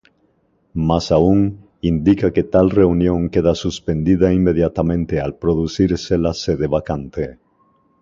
Más aún, indica que tal reunión queda suspendida inmediatamente al producirse la sede vacante.